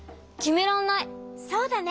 そうだね。